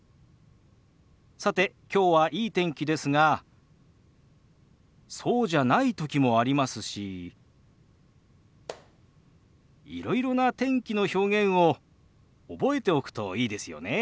さてきょうはいい天気ですがそうじゃない時もありますしいろいろな天気の表現を覚えておくといいですよね。